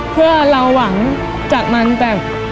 เพื่อเราหวังจากมันแบบ